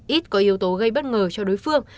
ít có yếu tố gây bất ngờ cho đối phương